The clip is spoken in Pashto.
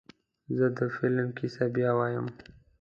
زه د فلم کیسه بیا وایم.